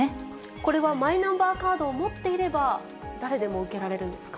これはマイナンバーカードを持っていれば、誰でも受けられるんですか。